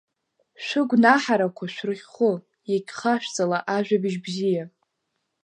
Шәыгәнаҳарақәа шәрыхьхәы иагьхашәҵала Ажәабжь бзиа.